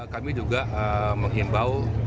kami juga mengimbau